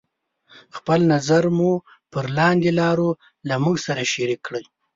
خپل نظر مو پر لاندې لارو له موږ سره شريکې کړئ: